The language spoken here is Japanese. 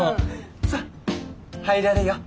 さっ入られよ。